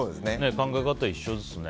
考え方は一緒ですね。